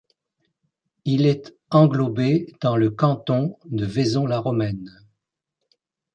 Il est englobé dans le canton de Vaison-la-Romaine.